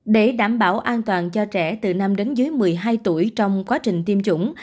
để đảm bảo an toàn cho trẻ từ năm một mươi hai tuổi trong quá trình tiêm chủng